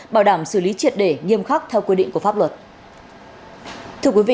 bảo đảm xử lý triệt để nghiêm khắc theo quy định của pháp luật